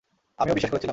আমিও বিশ্বাস করেছিলাম।